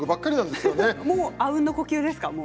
あうんの呼吸ですか。